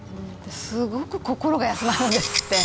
すごく心が休まるんですって。